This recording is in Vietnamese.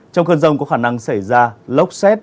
trong cơn rông có khả năng xảy ra lốc xét